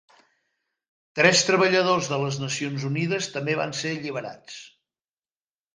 Tres treballadors de les Nacions Unides també van ser alliberats.